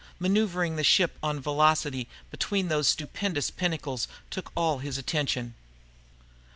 Maneuvering the ship on velocity between those stupendous pinnacles took all his attention.